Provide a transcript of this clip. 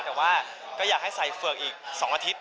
แต่ว่าก็อยากให้ใส่เฝือกอีก๒อาทิตย์